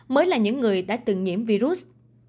mới là những người đã từng nhiễm virus